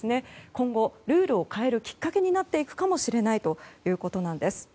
今後、ルールを変えるきっかけになっていくかもしれないということなんです。